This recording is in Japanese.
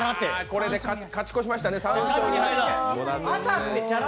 これで勝ち越しましたね３勝２敗。